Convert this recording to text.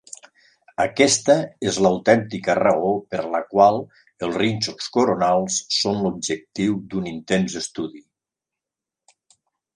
Aquesta és l'autèntica raó per la qual els rínxols coronals són l'objectiu d'un intens estudi.